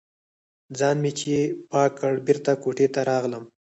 ځان مې چې پاک کړ، بېرته کوټې ته راغلم.